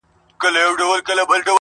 o په پنځمه ورځ مور له کور څخه ذهناً وځي,